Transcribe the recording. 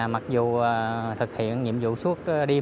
mặc dù thực hiện nhiệm vụ suốt đêm